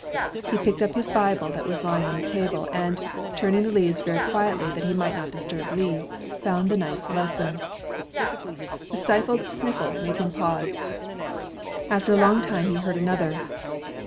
He picked up his Bible that was lying on the table, and, turning the leaves very quietly that he might not disturb Lee, found the night's lesson. A stifled sniffle made him pause. After a long time he heard another.